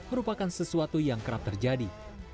merupakan sesuatu yang kerap terjadi